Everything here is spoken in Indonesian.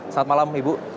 selamat malam ibu